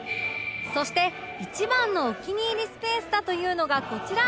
そして一番のお気に入りスペースだというのがこちら